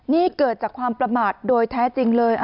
นี่เกิดจากความประมาทโดยแท้จริงเลย